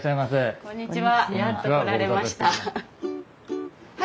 こんにちは。